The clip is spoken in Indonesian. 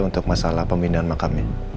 untuk masalah pembinaan makamnya